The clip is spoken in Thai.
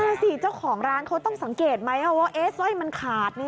นั่นสิเจ้าของร้านเขาต้องสังเกตไหมว่าสร้อยมันขาด